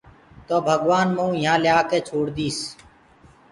تو ڀگوآن مئوُ يهآنٚ ڪيآ ڪي ڇوڙ ديٚس۔